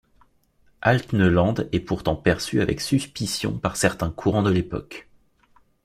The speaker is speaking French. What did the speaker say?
Altneuland est pourtant perçu avec suspicion par certains courants de l'époque.